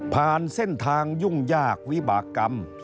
ผ่านเส้นทางยุ่งยากวิบากรรม